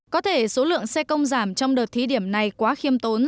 có thể số lượng xe công giảm trong đợt thí điểm này quá khiêm tốn